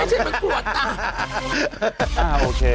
มันไม่ใช่มันตรวจ